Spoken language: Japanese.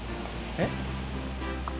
えっ？